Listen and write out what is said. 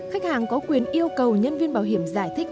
khách hàng có quyền yêu cầu nhân viên bảo hiểm giải thích